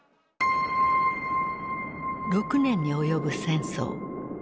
６年に及ぶ戦争。